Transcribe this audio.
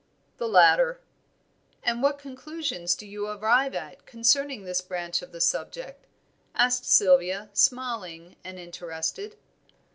"The latter." "And what conclusions do you arrive at concerning this branch of the subject?" asked Sylvia, smiling and interested.